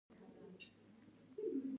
ادبي نوښتونه د ژبي وده چټکوي.